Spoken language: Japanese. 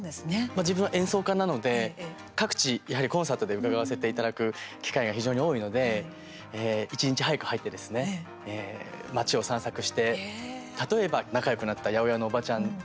自分は演奏家なので各地、やはり、コンサートで伺わせていただく機会が非常に多いので、一日早く入ってですね、町を散策して例えば、仲よくなった八百屋のおばちゃん